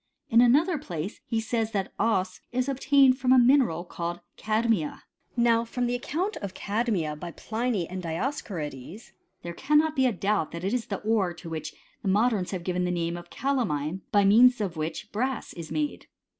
In another place he says, that cbs is obtained from a mineral called cadmia. Now from the account of cadmia by Pliny and Dioscorides, there cannot be a doubt that it is th« ore to which the modems have given the name of calamine, by means of which brass is made.